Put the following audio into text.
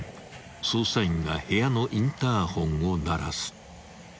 ［捜査員が部屋のインターホンを鳴らす］